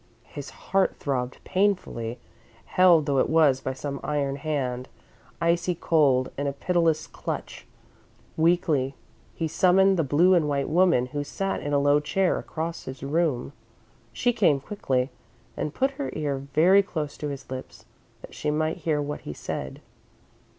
His heart throbbed painfully, held though it was by some iron hand, icy cold, in a pitiless clutch. Weakly, he summoned the blue and white woman who sat in a low chair across his room. She came quickly, and put her ear very close to his lips that she might hear what he said.